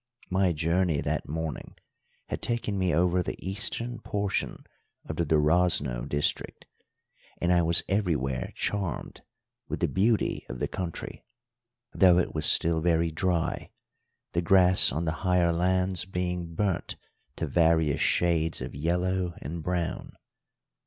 My journey that morning had taken me over the eastern portion of the Durazno district, and I was everywhere charmed with the beauty of the country, though it was still very dry, the grass on the higher lands being burnt to various shades of yellow and brown.